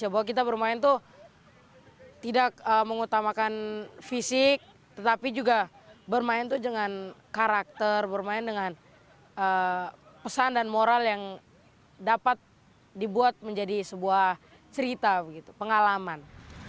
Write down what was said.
bahwa kita bermain tuh tidak mengutamakan fisik tetapi juga bermain itu dengan karakter bermain dengan pesan dan moral yang dapat dibuat menjadi sebuah cerita pengalaman